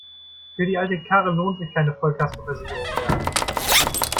Für die alte Karre lohnt sich keine Vollkaskoversicherung mehr.